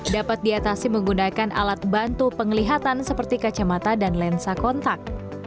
dapat diatasi menggunakan alat bantu penglihatan seperti kacamata dan lensa kontak